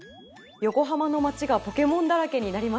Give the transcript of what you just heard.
横浜の街がポケモンだらけになりますね。